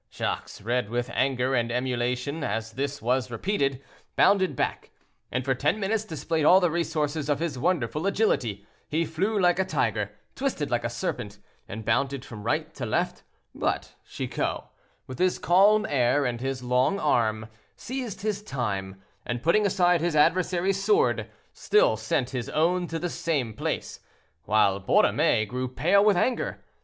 Jacques, red with anger and emulation as this was repeated, bounded back, and for ten minutes displayed all the resources of his wonderful agility—he flew like a tiger, twisted like a serpent, and bounded from right to left; but Chicot, with his calm air and his long arm, seized his time, and putting aside his adversary's sword, still sent his own to the same place, while Borromée grew pale with anger.